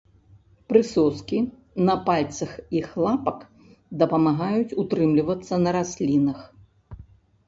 Прысоскі на пальцах іх лапак дапамагаюць утрымлівацца на раслінах.